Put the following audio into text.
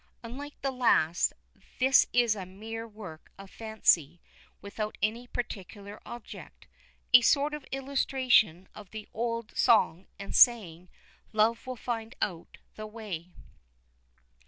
Unlike the last, this is a mere work of fancy, without any particular object a sort of illustration of the old song and saying, Love will find out the way.